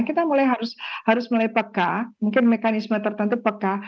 kita mulai harus mulai peka mungkin mekanisme tertentu peka